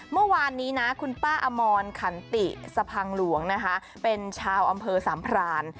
เมื่อวานนี้นะคุณป้าอมรขันติสะพังหลวงนะคะเป็นชาวอำเภอสามพราน